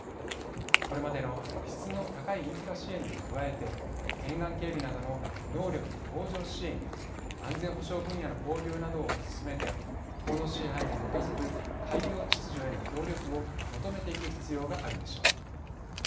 これまでの質の高いインフラ支援に加えて沿岸警備などの能力向上支援や安全保障分野の交流などを進めて法の支配に基づく海洋秩序への協力を求めていく必要があるでしょう。